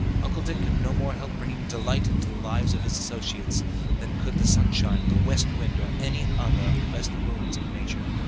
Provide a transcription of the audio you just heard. Uncle Dick could no more help bringing delight into the lives of his associates than could the sunshine or the west wind or any other of the best boons of nature.